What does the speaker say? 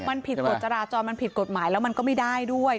มันผิดกฎจราจรมันผิดกฎหมายแล้วมันก็ไม่ได้ด้วย